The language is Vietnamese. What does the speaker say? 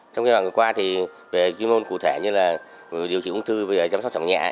trong thời gian qua về chuyên môn cụ thể như là điều trị ung thư và giảm sóc chống nhẹ